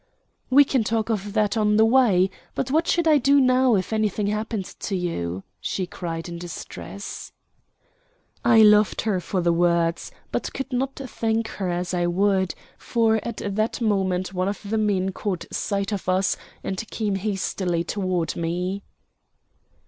"We can talk of that on the way; but what should I do now if anything happened to you?" she cried in distress. I loved her for the words, but could not thank her as I would, for at that moment one of the men caught sight of us and came hastily toward me.